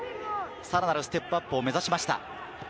さらなるステップアップを目指しました。